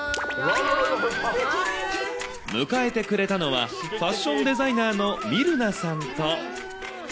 迎えてくれたのは、ファッションデザイナーのミルナさんと。